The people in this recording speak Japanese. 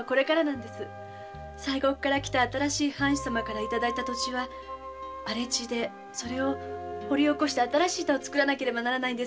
西国から来た新しい藩主様からいただいた土地は荒れ地でそれを掘り起こして新しい田を作らなければならないんです。